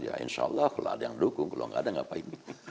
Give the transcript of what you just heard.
ya insyaallah lah ada yang mendukung kalau nggak ada ngapain